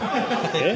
えっ。